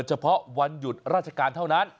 เฉพาะวันหยุดราชการเท่านั้น